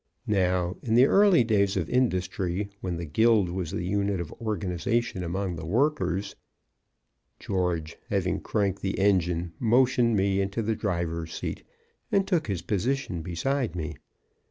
Now, in the early days of industry, when the guild was the unit of organization among the workers " George, having cranked the engine, motioned me into the driver's seat, and took his position beside me.